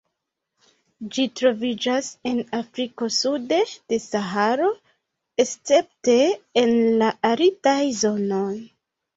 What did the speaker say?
Ĝi troviĝas en Afriko sude de Saharo, escepte en la aridaj zonoj.